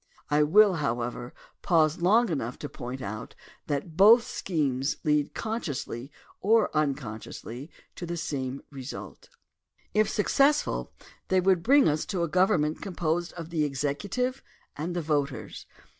I will, however, pause long enough to point out THE DEMOCRACY OF ABRAHAM LINCOLN 129 that both schemes lead consciously or unconsciously to the same result. If successful they would bring us to a government composed of the executive and the voters.